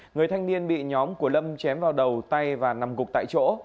người thanh niên bị nhóm của lâm chém vào đầu tay và nằm gục tại chỗ